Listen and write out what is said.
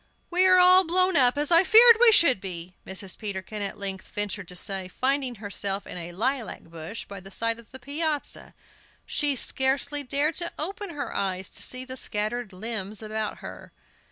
"We are all blown up, as I feared we should be," Mrs. Peterkin at length ventured to say, finding herself in a lilac bush by the side of the piazza. She scarcely dared to open her eyes to see the scattered limbs about her.